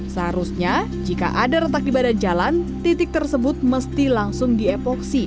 seharusnya jika ada retak di badan jalan titik tersebut mesti langsung diepoksi